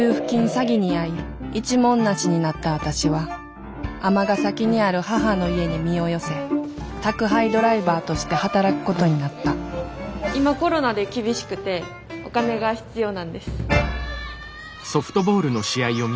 詐欺に遭い一文無しになった私は尼崎にある母の家に身を寄せ宅配ドライバーとして働くことになった今コロナで厳しくてお金が必要なんです。